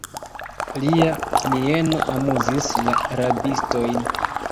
Lia mieno amuzis la rabistojn.